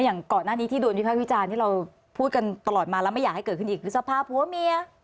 อย่างก่อนหน้านี้ที่โดนวิภาควิจารณ์ที่เราพูดกันตลอดมาแล้วไม่อยากให้เกิดขึ้นอีกคือสภาพผัวเมีย